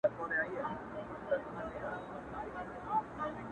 • لویه خدایه ته خو ګډ کړې دا د کاڼو زیارتونه,